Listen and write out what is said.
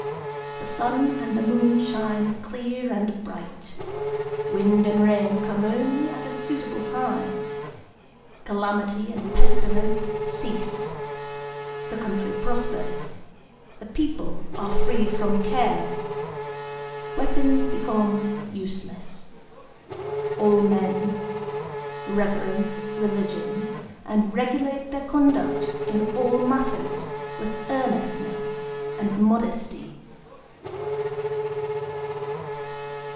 The sun and the moon shine clear and bright. Wind and rain come only at a suitable time. Calamity and pestilence cease. The country prospers; the people are free from care. Weapons become useless. All men reverence religion, and regulate their conduct in all matters with earnestness and modesty."